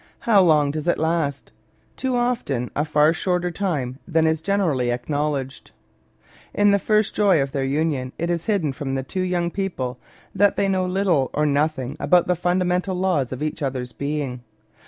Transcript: How lon^ does it last. " Too often a far shorter time than is generally acknowledged. In the first joy of their union it is hidden from the two young people that they know little or nothing about the fundamental laws of each other's being.